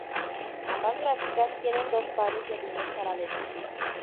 Ambas grafías tienen dos pares de líneas paralelas.